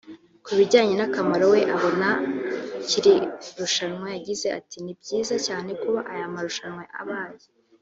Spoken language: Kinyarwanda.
Ku bijyanye n’akamaro we abona k’iri rushanwa yagize ati” Ni byiza cyane kuba aya marushanwa abaye